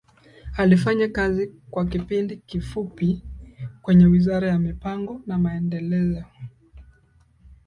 Alifanya kazi kwa kipindi kifupi kwenye Wizara ya Mipango na Maendeleo